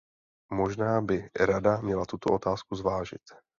Možná by Rada měla tuto otázku zvážit.